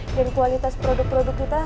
dan kualitas produk